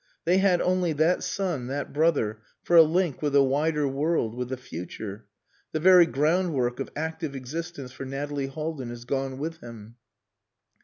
They had only that son, that brother, for a link with the wider world, with the future. The very groundwork of active existence for Nathalie Haldin is gone with him.